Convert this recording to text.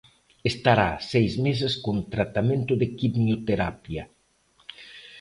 Estará seis meses con tratamento de quimioterapia.